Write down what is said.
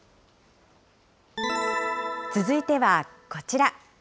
続いてはこちら。